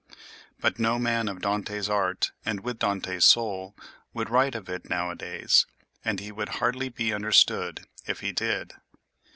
But no man of Dante's art and with Dante's soul would write of it nowadays; and he would hardly be understood if he did.